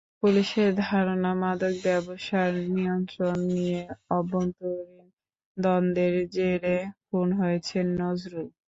পুলিশের ধারণা, মাদক ব্যবসার নিয়ন্ত্রণ নিয়ে অভ্যন্তরীণ দ্বন্দ্বের জেরে খুন হয়েছেন নজরুল।